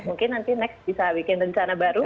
mungkin nanti next bisa bikin rencana baru